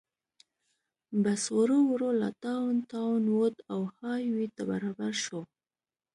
بس ورو ورو له ډاون ټاون ووت او های وې ته برابر شو.